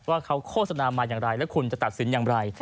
ว่าเขาโฆษณามาอย่างไรแล้วคุณจะตัดสินอย่างไร